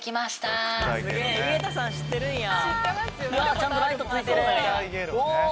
ちゃんとライトついてる！